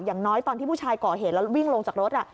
อย่างน้อยตอนที่ผู้ชายก่อเหตุแล้ววิ่งลงจากรถ